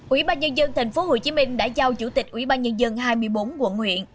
ủy ban nhân dân tp hcm đã giao chủ tịch ủy ban nhân dân hai mươi bốn quận huyện